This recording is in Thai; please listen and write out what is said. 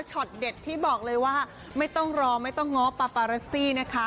เด็ดที่บอกเลยว่าไม่ต้องรอไม่ต้องง้อปาปารัสซี่นะคะ